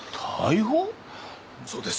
そうです。